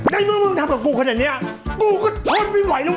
ดังนั้นมึงทำกับกูขนาดนี้กูก็ทนไม่ไหวล่ะว่ะ